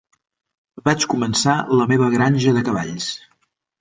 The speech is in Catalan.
Vaig començar la meva granja de cavalls.